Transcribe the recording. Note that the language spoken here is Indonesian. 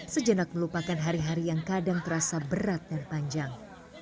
sejenak melupakan hari hari yang kadang terasa berat dan panjang